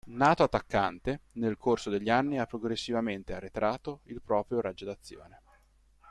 Nato attaccante, nel corso degli anni ha progressivamente arretrato il proprio raggio d'azione.